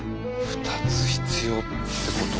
２つ必要ってこと？